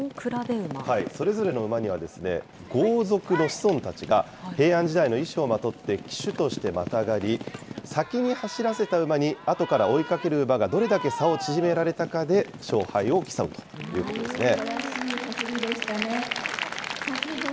それぞれの馬には、豪族の子孫たちが平安時代の衣装をまとって騎手としてまたがり、先に走らせた馬にあとから追いかける馬がどれだけ差を縮められたかで勝敗を競うということなんですね。